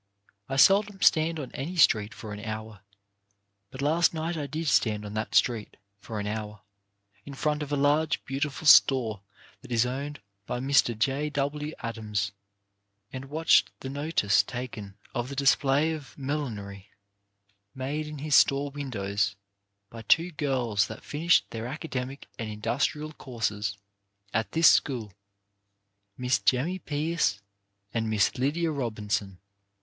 I seldom stand on any street for an hour, but last night I did stand on that street for an hour, in front of a large, beautiful store that is owned by Mr. J. W. Adams, and watched the notice taken of the dis play of millinery made in his store windows by two girls that finished their academic and in dustrial courses at this school — Miss Jemmie Pierce and Miss Lydia Robinson.